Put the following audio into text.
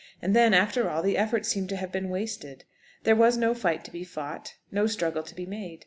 And then, after all, the effort seemed to have been wasted! There was no fight to be fought, no struggle to be made.